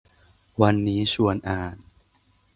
วันนี้ชวนอ่าน